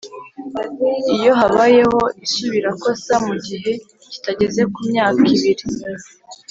Iyo habayeho isubirakosa mu gihe kitageze ku myaka ibiri